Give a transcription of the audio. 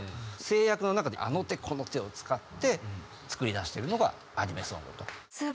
制約の中であの手この手を使って作り出してるのがアニメソングと。